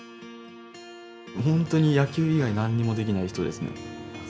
本当に野球以外何にもできない人ですね。